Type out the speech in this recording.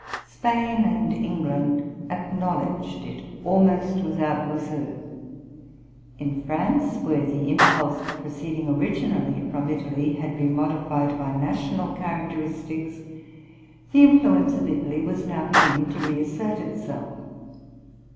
Spain and England acknowledged it almost without reserve; in France, where the impulse proceeding originally from Italy, had been modified by national characteristics, the influence of Italy was now beginning to reassert itself.